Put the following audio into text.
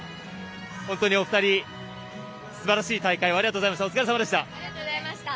本当にお二人素晴らしい大会をありがとうございました。